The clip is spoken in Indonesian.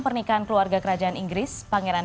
pernikahan keluarga kerajaan inggris pangeran